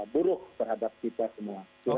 buruk terhadap kita semua